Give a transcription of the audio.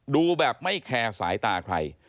ดูแบบไม่แคร์สายตาใคร